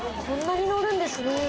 こんなに乗るんですね。